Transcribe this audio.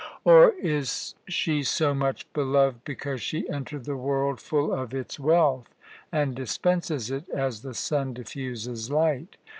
Or is she so much beloved because she entered the world full of its wealth, and dispenses it as the sun diffuses light?